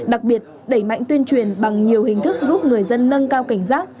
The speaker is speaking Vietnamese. đặc biệt đẩy mạnh tuyên truyền bằng nhiều hình thức giúp người dân nâng cao cảnh giác